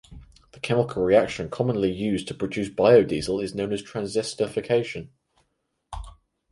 The chemical reaction commonly used to produce biodiesel is known as transesterification.